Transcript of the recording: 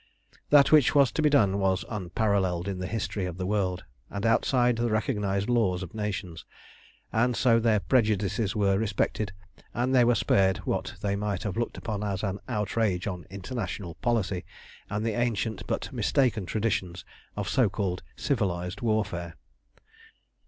That which was to be done was unparalleled in the history of the world, and outside the recognised laws of nations; and so their prejudices were respected, and they were spared what they might have looked upon as an outrage on international policy, and the ancient but mistaken traditions of so called civilised warfare.